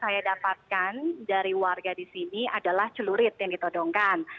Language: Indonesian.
saya dapatkan dari warga di sini adalah celurit yang ditodongkan